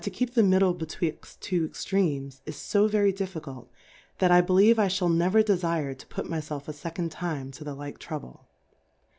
keep the Mi Me hetwixttwo Extreams^ is Jo very difficulty thatj I lelieve^ I paU never depre to put my [elf a Second Time to the like Trouble.